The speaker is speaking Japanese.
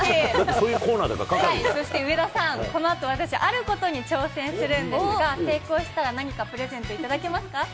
そういうコーナーだからかかそして上田さん、このあと、私、あることに挑戦するんですが、成功したら、何かプレゼント頂けますか。